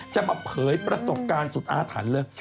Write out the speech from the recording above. จะมาเผยประสบการณ์สุดอาถรรพ์เลย